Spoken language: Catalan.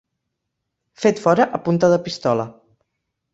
Fet fora a punta de pistola.